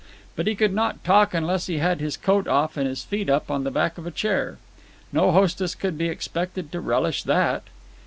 But he could not talk unless he had his coat off and his feet up on the back of a chair. No hostess could be expected to relish that.